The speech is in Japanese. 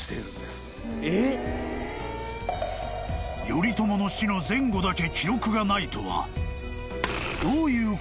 ［頼朝の死の前後だけ記録がないとは］